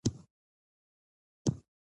یادښتونه د مقالې د کلمو په شمیر کې حسابيږي.